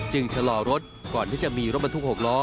ชะลอรถก่อนที่จะมีรถบรรทุก๖ล้อ